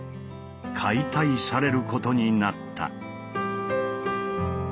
解体されることになった。